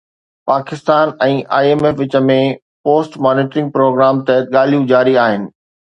Pakistan ۽ I M F وچ ۾ post monitoring programme تحت ڳالهيون جاري آهن